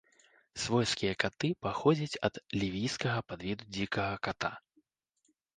Свойскія каты паходзяць ад лівійскага падвіду дзікага ката.